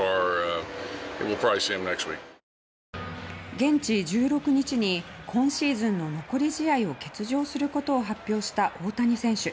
現地１６日に今シーズンの残り試合を欠場することを発表した大谷選手。